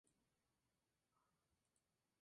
En el mismo año lanzaron su álbum debut homónimo.